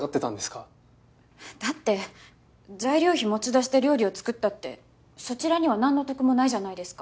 だって材料費持ち出しで料理を作ったってそちらにはなんの得もないじゃないですか。